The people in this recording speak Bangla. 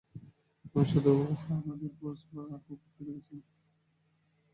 আমি শুধু আমাদের বস আর কুবুরকে দেখেছিলাম।